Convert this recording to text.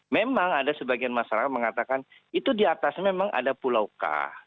memang ada sebagian masyarakat mengatakan itu di atasnya memang ada pulau k